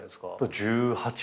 １８。